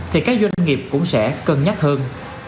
thì các doanh nghiệp cũng sẽ cân nhắc hơn